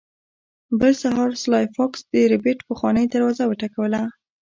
بل سهار سلای فاکس د ربیټ پخوانۍ دروازه وټکوله